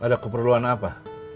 ada keperluan apa